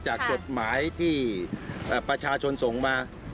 จดหมายที่ประชาชนส่งมา